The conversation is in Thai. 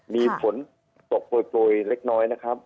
มีฝนตกโปรยเล็กน้อยนะครับ